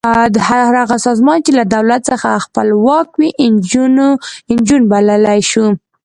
هر هغه سازمان چې له دولت څخه خپلواک وي انجو بللی شو.